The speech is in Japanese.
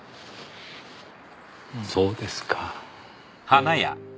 そうですかぁ。